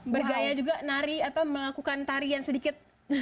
bergaya juga melakukan tarian sedikit